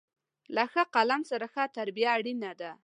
له ښه قلم سره، ښه تربیه اړینه ده.